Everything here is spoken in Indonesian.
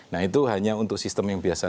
nah itu hanya untuk sistem yang biasa